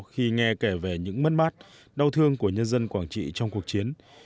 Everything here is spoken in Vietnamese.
khi nghe kể về những mất mát đau thương của nhân dân quảng trị trong cuộc chiến